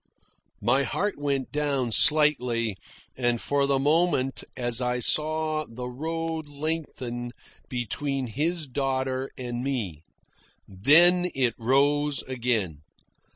My heart went down slightly and for the moment as I saw the road lengthen between his daughter and me; then it rose again.